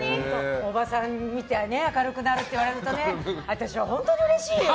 おばさんを見て明るくなるって言われると私は本当にうれしいのよ。